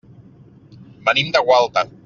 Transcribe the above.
Venim de Gualta.